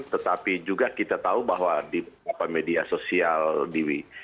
tetapi juga kita tahu bahwa di beberapa media sosial di